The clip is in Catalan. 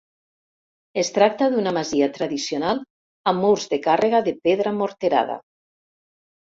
Es tracta d'una masia tradicional amb murs de càrrega de pedra morterada.